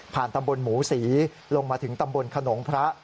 ตำบลหมูศรีลงมาถึงตำบลขนงพระ